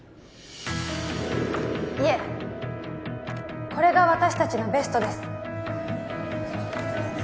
いえこれが私達のベストです